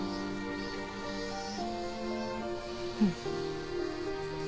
うん。